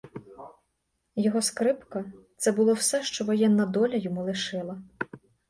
Його скрипка — це було все, що воєнна доля йому лишила.